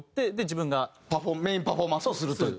メインパフォーマンスをするという。